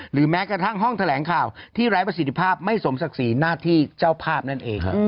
แม้กระทั่งห้องแถลงข่าวที่ไร้ประสิทธิภาพไม่สมศักดิ์ศรีหน้าที่เจ้าภาพนั่นเอง